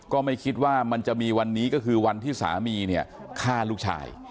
ก็ไม่คิดว่ามันจะมีวันนี้ก็คือวันที่สามีเนี่ยฆ่าลูกชาย